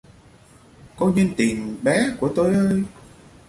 Cô nhân tình bé của tôi ơi!